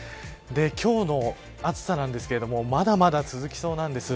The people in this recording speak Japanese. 今日の暑さなんですけれどもまだまだ続きそうなんです。